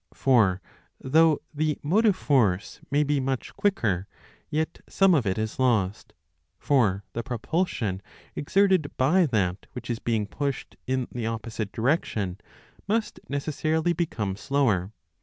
For though the motive force may be much quicker, yet some of it is lost ; for the propulsion exerted by that which is being pushed in the opposite direction must necessarily become slower.